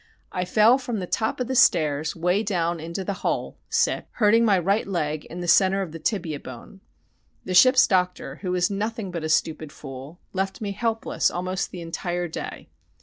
I fell from the top of the stairs 'way down into the hole, hurting my right leg in the centre of the tibia bone. The ship's doctor, who is nothing but a stupid fool, left me helpless almost the entire day....